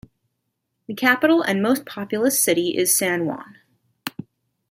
The capital and most populous city is San Juan.